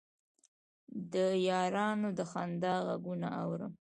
د یارانو د خندا غـږونه اورم